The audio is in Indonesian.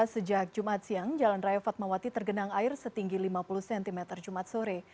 sejak jumat siang jalan raya fatmawati tergenang air setinggi lima puluh cm jumat sore